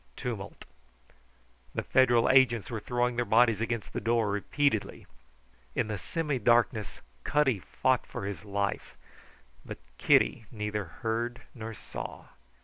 Tumult. The Federal agents were throwing their bodies against the door repeatedly. In the semi darkness Cutty fought for his life. But Kitty neither heard nor saw.